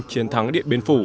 chiến thắng điện biên phụ